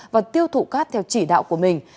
và tiêu thụ cát theo chỉ đạo của mình